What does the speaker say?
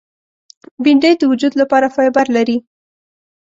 بېنډۍ د وجود لپاره فایبر لري